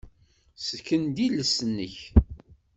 Ssken-d iles-nnek.